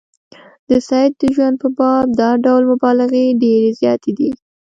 د سید د ژوند په باب دا ډول مبالغې ډېرې زیاتې دي.